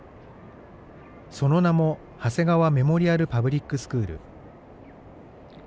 その名もハセガワ・メモリアル・パブリックスクール。